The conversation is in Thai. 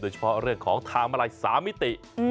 เฉพาะเรื่องของทางมาลัย๓มิติ